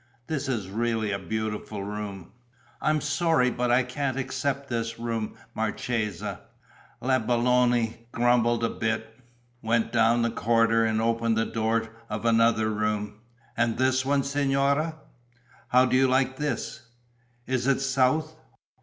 This is really a beautiful room." "I'm sorry, but I can't accept this room, marchesa." La Belloni grumbled a bit, went down the corridor and opened the door of another room: "And this one, signora?... How do you like this?" "Is it south?"